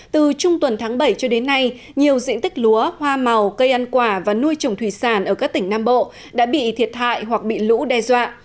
từ trung tuần tháng bảy cho đến nay nhiều diện tích lúa hoa màu cây ăn quả và nuôi trồng thủy sản ở các tỉnh nam bộ đã bị thiệt hại hoặc bị lũ đe dọa